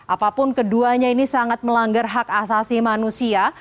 apapun keduanya ini sangat melanggar hak asasi manusia